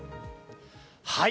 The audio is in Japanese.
はい。